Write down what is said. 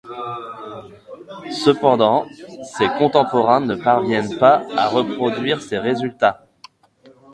Cependant, ses contemporains ne parviennent pas à reproduire ses résultats.